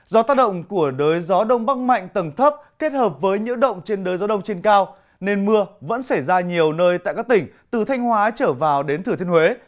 do tác động của đới gió đông bắc mạnh tầng thấp kết hợp với nhiễu động trên đời gió đông trên cao nên mưa vẫn xảy ra nhiều nơi tại các tỉnh từ thanh hóa trở vào đến thừa thiên huế